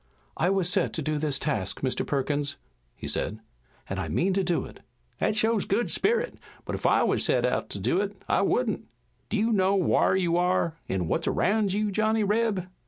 "I was set to do this task, Mr. Perkins," he said, "and I mean to do it." "That shows good sperrit, but ef I wuz set to do it I wouldn't. Do you know whar you are an' what's around you, Johnny Reb?"